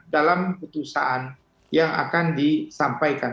dalam putusan yang akan disampaikan